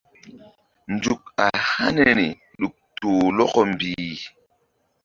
Nzuk a haniri ɗuk toh lɔkɔ mbih.